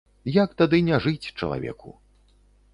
Як тады не жыць чалавеку.